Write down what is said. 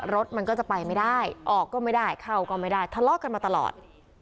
รถมันก็จะไปไม่ได้ออกก็ไม่ได้เข้าก็ไม่ได้ทะเลาะกันมาตลอด